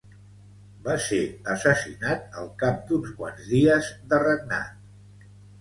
Va ser assassinat al cap d'uns quants dies de regnat.